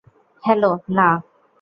Hello, না!